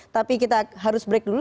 tapi kita harus break dulu